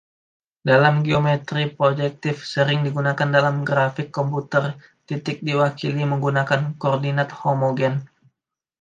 Dalam geometri projektif, sering digunakan dalam grafik komputer, titik diwakili menggunakan koordinat homogen.